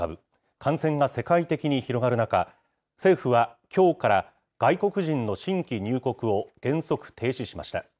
感染が世界的に広がる中、政府はきょうから、外国人の新規入国を原則停止しました。